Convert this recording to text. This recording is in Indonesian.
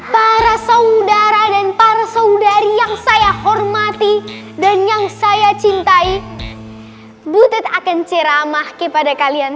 para saudara dan para saudari yang saya hormati dan yang saya cintai butet akan ceramah kepada kalian